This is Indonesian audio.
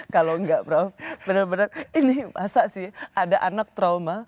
kalau enggak prof benar benar ini masa sih ada anak trauma